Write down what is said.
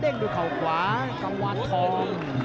เด้งด้วยเข้าขวากวาทธอง